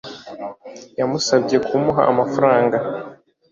Yamusabye kumuha amafaranga